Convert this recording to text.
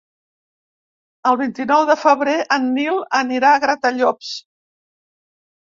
El vint-i-nou de febrer en Nil anirà a Gratallops.